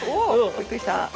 びっくりした。